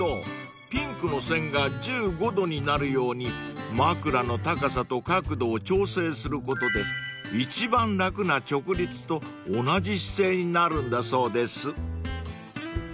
ピンクの線が１５度になるように枕の高さと角度を調整することで一番楽な直立と同じ姿勢になるんだそうです］